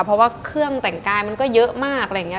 เพราะว่าเครื่องแต่งกายมันก็เยอะมากอะไรอย่างนี้